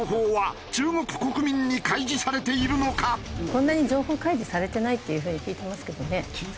そんなに情報開示されてないっていう風に聞いてますけどね。